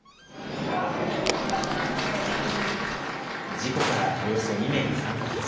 事故からおよそ２年３か月。